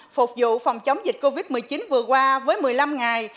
phục vụ phòng chống dịch covid một mươi chín vừa qua với một mươi năm ngày